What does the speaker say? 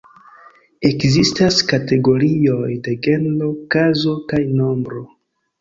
Ekzistas kategorioj de genro, kazo kaj nombro.